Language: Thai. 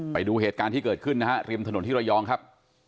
ไปดูเหตุการณ์ที่เกิดขึ้นนะฮะริมถนนที่ระยองครับ